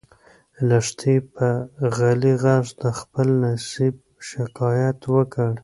لښتې په غلي غږ د خپل نصیب شکایت وکړ.